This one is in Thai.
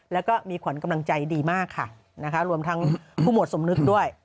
แล้วก็มีขวัญกำลังใจดีมากค่ะนะคะรวมทั้งผู้หมวดสมนึกด้วย